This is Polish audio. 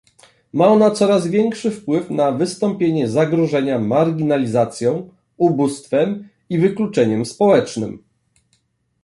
Ma ona coraz większy wpływ na wystąpienie zagrożenia marginalizacją, ubóstwem i wykluczeniem społecznym